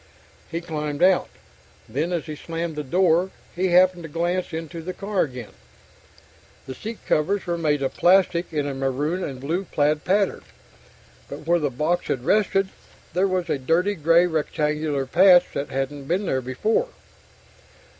He climbed out, then as he slammed the door he happened to glance into the car again. The seat covers were made of plastic in a maroon and blue plaid pattern. But where the box had rested there was a dirty grey rectangular patch that hadn't been there before.